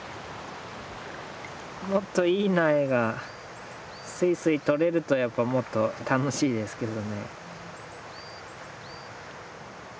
もっといい苗がスイスイとれるとやっぱもっと楽しいですけどね。